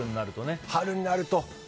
春になるとね。